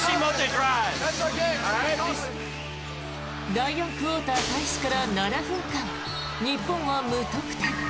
第４クオーター開始から７分間日本は無得点。